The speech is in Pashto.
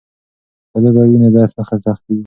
که لوبه وي نو درس نه سختيږي.